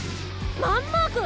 マンマーク！